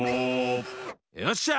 よっしゃ！